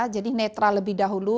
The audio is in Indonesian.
jadi netral lebih dahulu